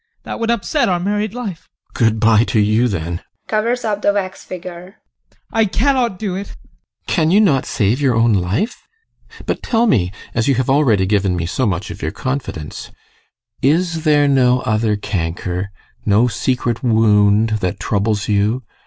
That would upset our married life. GUSTAV. Good bye to you then! ADOLPH. [Covers up the wax figure] I cannot do it! GUSTAV. Can you not save your own life? But tell me, as you have already given me so much of your confidence is there no other canker, no secret wound, that troubles you?